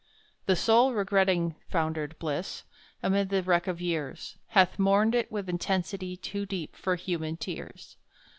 The soul, regretting foundered bliss Amid the wreck of years, Hath mourned it with intensity Too deep for human tears!